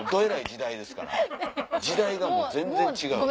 時代がもう全然違う。